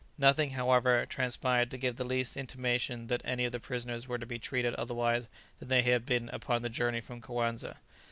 Nothing, however, transpired to give the least intimation that any of the prisoners were to be treated otherwise than they had been upon the journey from the Coanza.